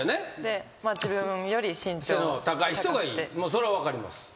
それは分かります。